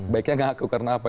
baiknya tidak mengaku karena apa